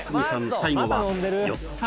最後はよっさん